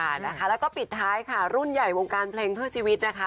นะคะแล้วก็ปิดท้ายค่ะรุ่นใหญ่วงการเพลงเพื่อชีวิตนะคะ